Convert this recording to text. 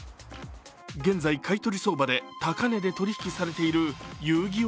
現在、買い取り相場で高値で取り引きされている「遊☆戯☆王」